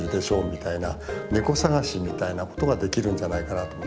みたいなネコ探しみたいなことができるんじゃないかなと思って。